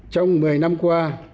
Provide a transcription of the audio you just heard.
trong một mươi năm qua